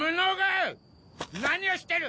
何をしてる！